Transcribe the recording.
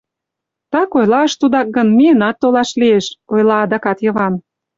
— Так ойлаш, тудак гын, миенат толаш лиеш, — ойла адак Йыван.